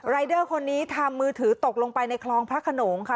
เดอร์คนนี้ทำมือถือตกลงไปในคลองพระขนงค่ะ